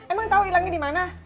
emang tau ilangnya di mana